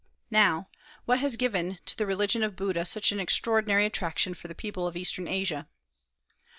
Now, what has given to the religion of Buddha such an extraordinary attraction for the people of Eastern Asia?